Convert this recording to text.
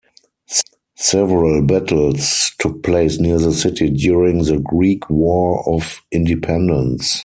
Several battles took place near the city during the Greek War of Independence.